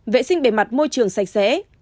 vệ sinh bề mặt môi trường sạch sẽ